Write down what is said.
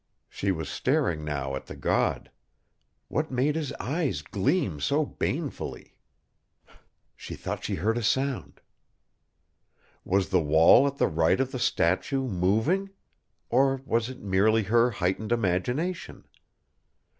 She was staring now at the god. What made his eyes gleam so banefully? She thought she heard a sound! Was the wall at the right of the statue moving? Or was it merely her heightened imagination?